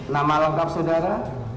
nama lengkap saudara